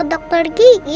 tidak terlalu banyak